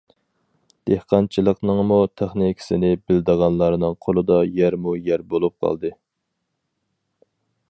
دېھقانچىلىقنىڭمۇ تېخنىكىسىنى بىلىدىغانلارنىڭ قولىدا يەرمۇ يەر بولۇپ قالدى.